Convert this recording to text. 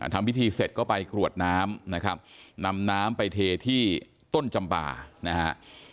ทำพิธีเสร็จก็ไปกรวดน้ำนะครับนำน้ำไปเทที่ต้นจำป่านะฮะ